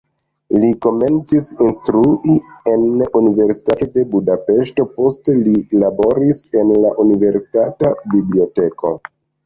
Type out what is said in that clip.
Li komencis instrui en Universitato de Budapeŝto, poste li laboris en la universitata biblioteko.